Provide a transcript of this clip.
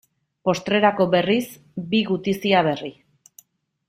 Postrerako berriz, bi gutizia berri.